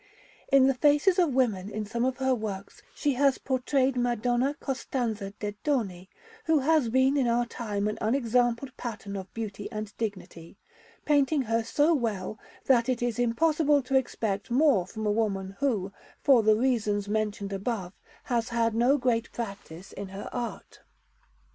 In the faces of women in some of her works she has portrayed Madonna Costanza de' Doni, who has been in our time an unexampled pattern of beauty and dignity; painting her so well, that it is impossible to expect more from a woman who, for the reasons mentioned above, has had no great practice in her art.